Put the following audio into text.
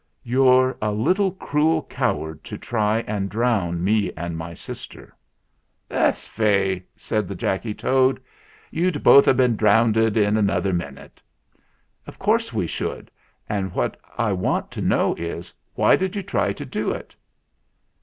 You're a little cruel coward to try and drown me and my sister." "Ess fay," said the Jacky Toad. "You'd both a' bin drownded in another minute." "Of course we should, and what I want to know is, why did you try to do it?"